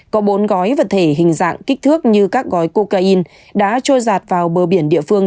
có bốn gói vật thể hình dạng kích thước như các gói cocaine đã trôi giạt vào bờ biển địa phương